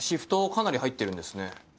かなり入ってるんですね。